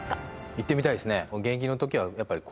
行ってみたいですね。